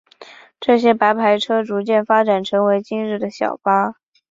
这些白牌车逐渐发展成为今日的小巴。